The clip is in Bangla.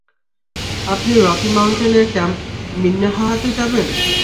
আপনি রকি মাউন্টেনের ক্যাম্প মিন্নেহাহাতে যাবেন?